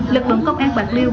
lực lượng công an bạc liêu